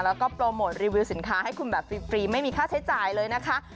แล้วก็โปรโมทรีวิวสินค้าให้คุณแบบฟรีไม่มีค่าใช้จ่ายเลยนะคะ